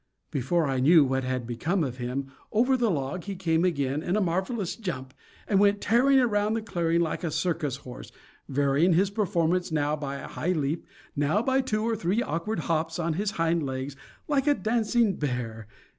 Before I knew what had become of him, over the log he came again in a marvelous jump, and went tearing around the clearing like a circus horse, varying his performance now by a high leap, now by two or three awkward hops on his hind legs, like a dancing bear.